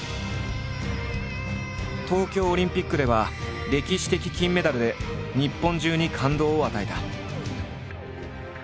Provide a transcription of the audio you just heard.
東京オリンピックでは歴史的金メダルで日本中に感動を与えた。